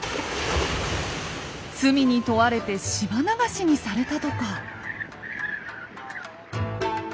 罪に問われて島流しにされたとか。